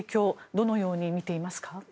どのように見ていますか？